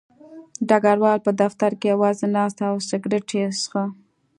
ډګروال په دفتر کې یوازې ناست و او سګرټ یې څښه